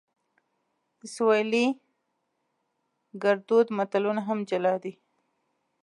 د سویلي ګړدود متلونه هم جلا دي